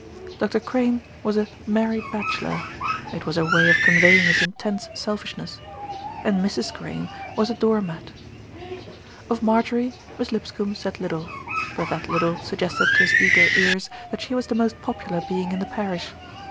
Dr. Crane was a "married bachelor," it was her way of conveying his intense selfishness, and Mrs. Crane was a door mat. 134 THE RETURN OF ALFRED Of Marjorie, Miss Lipscombe said little; but that little suggested to his eager ears that she was the most popular being in the parish.